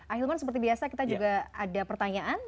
ahilman seperti biasa kita juga ada pertanyaan